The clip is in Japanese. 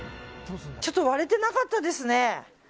ちょっと割れてなかったですね。